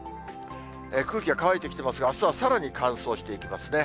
空気が乾いてきていますが、あすはさらに乾燥していきますね。